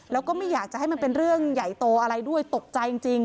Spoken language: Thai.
แล้วก็ไม่อยากจะให้มันเป็นเรื่องใหญ่โตอะไรด้วยตกใจจริง